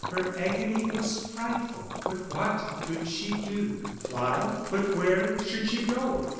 Her agony was frightful; but what could she do! Fly? but where should she go?